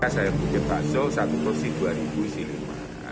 saya membuat bakso satu porsi rp dua